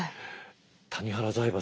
谷原財閥？